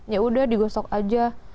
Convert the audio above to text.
yaudah digosok aja